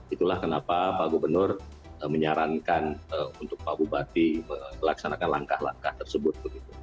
itulah kenapa pak gubernur menyarankan untuk pak bupati melaksanakan langkah langkah tersebut